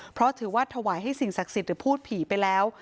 เพราะถือว่าถวายให้สิ่งศักดิ์สิทธิ์หรือพูดผีไปแล้ว